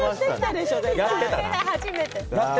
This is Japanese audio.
初めて。